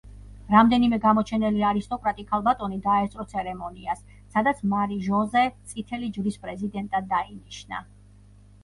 რამდენიმე გამოჩენილი არისტოკრატი ქალბატონი დაესწრო ცერემონიას, სადაც მარი ჟოზე წითელი ჯვრის პრეზიდენტად დაინიშნა.